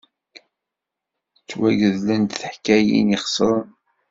Ttwagedlent teḥkayin ixeṣren!